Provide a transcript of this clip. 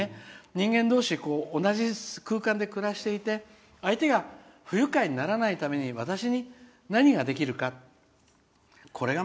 人間同士、同じ空間で暮らしていて相手が不愉快にならないために私に何ができるか。